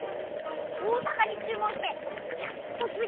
大阪に注文してやっと着いたがですき！